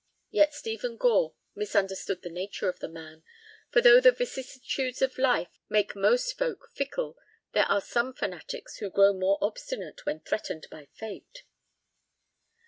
Yet Stephen Gore misunderstood the nature of the man, for though the vicissitudes of life make most folk fickle, there are some fanatics who grow more obstinate when threatened by fate.